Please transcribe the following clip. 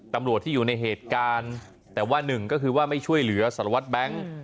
ตำรวจที่อยู่ในเหตุการณ์แต่ว่าหนึ่งก็คือว่าไม่ช่วยเหลือสารวัตรแบงค์